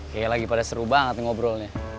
kayaknya lagi pada seru banget ngobrolnya